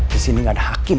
disini gak ada hakim